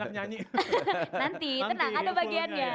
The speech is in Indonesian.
nanti tenang ada bagiannya